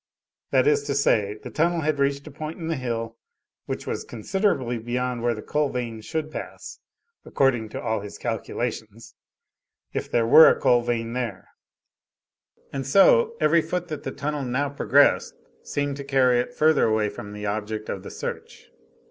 That is to say, the tunnel had reached a point in the hill which was considerably beyond where the coal vein should pass (according to all his calculations) if there were a coal vein there; and so, every foot that the tunnel now progressed seemed to carry it further away from the object of the search.